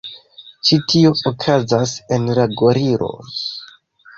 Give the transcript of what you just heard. Ĉi tio okazas en la goriloj.